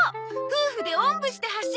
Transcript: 夫婦でおんぶして走るの。